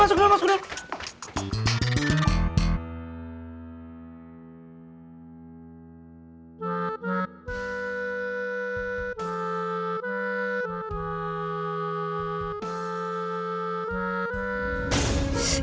masuk dulu masuk dulu